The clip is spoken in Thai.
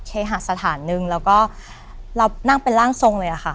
เคหาสถานหนึ่งแล้วก็เรานั่งเป็นร่างทรงเลยค่ะ